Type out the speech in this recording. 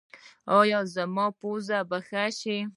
ایا زما پوزه به ښه شي؟